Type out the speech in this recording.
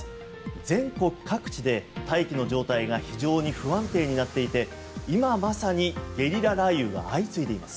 全国各地で大気の状態が非常に不安定になっていて今、まさにゲリラ雷雨が相次いでいます。